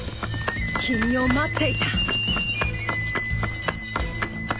君を待っていた。